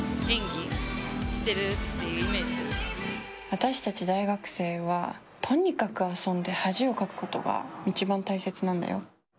私たち大学生はとにかく遊んで恥をかくことが一番大切なんだよ。